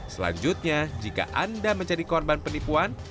selanjutnya jika anda menjadi korban penipuan